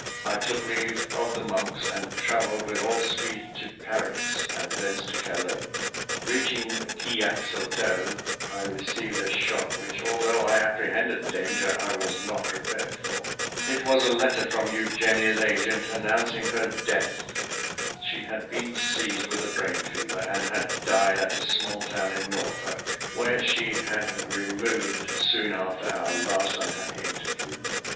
I took leave of the monks, and travelled with all speed to Paris, and thence to Calais. Reaching Quillac's hotel, I received a shock which, although I apprehended danger, I was not prepared for. It was a letter from Eugenia's agent, announcing her death. She had been seized with a brain fever, and had died at a small town in Norfolk, where she had removed soon after our last unhappy interview.